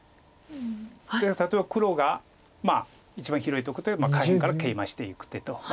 例えば黒が一番広いところで下辺からケイマしていく手とツギ。